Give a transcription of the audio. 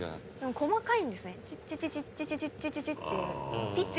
細かいんですねチチチ